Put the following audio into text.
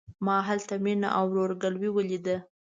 ما هلته مينه او ورور ګلوي وليده.